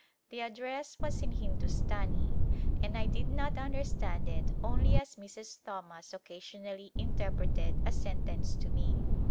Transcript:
The address was in Hin dustani, and I did not understand it only as Mrs. Thomas occasionally interpreted a sentence to me.